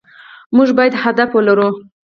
مونږ بايد هدف ولرو